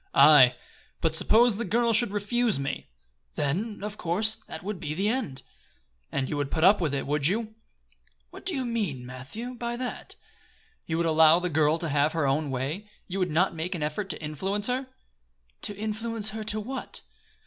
"Aye, but suppose the girl should refuse me?" "Then, of course, that would be the end." "And you would put up with it, would you?" "What do you mean, Matthew, by that?" "You would allow the girl to have her own way? You would not make an effort to influence her?" "To influence her to what?"